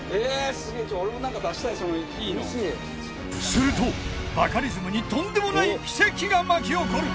するとバカリズムにとんでもない奇跡が巻き起こる！